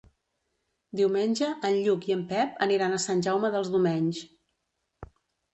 Diumenge en Lluc i en Pep aniran a Sant Jaume dels Domenys.